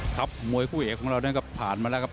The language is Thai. ครับมวยคู่เอกของเรานั้นก็ผ่านมาแล้วครับ